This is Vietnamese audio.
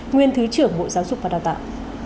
nguyên thứ trưởng bộ giáo dục và đào tạo